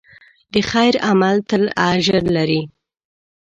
د خیر عمل تل اجر لري.